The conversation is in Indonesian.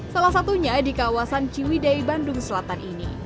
salah satunya di kawasan ciwidei bandung selatan ini